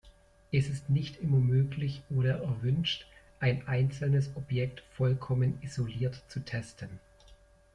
Es ist nicht immer möglich oder erwünscht, ein einzelnes Objekt vollkommen isoliert zu testen.